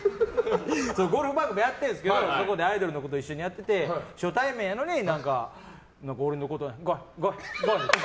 ゴルフ番組やってるんですけどアイドルの子と一緒にやってて初対面やのに俺のことゴイ、ゴイ。